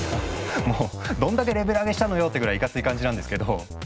どんだけレベル上げしたのよってぐらいいかつい感じなんですけど。